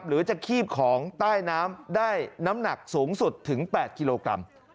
หรือจะคีบของใต้น้ำได้น้ำหนักสูงสุดถึง๘กิโลกรัม